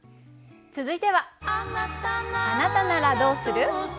続いては「あなたならどうする？」。